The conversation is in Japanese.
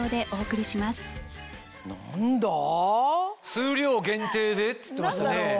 「数量限定で」っつってましたね。